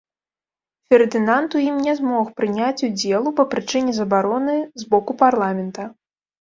Фердынанд у ім не змог прыняць удзелу па прычыне забароны з боку парламента.